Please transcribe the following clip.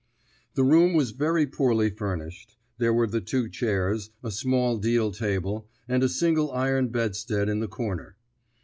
The room was very poorly furnished. There were the two chairs, a small deal table, and a single iron bedstead in the corner.